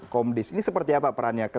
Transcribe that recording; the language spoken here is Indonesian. komdis ini seperti apa perannya